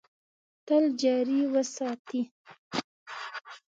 تل جاري وساتي .